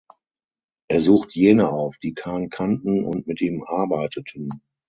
Er sucht jene auf, die Kahn kannten und mit ihm arbeiteten.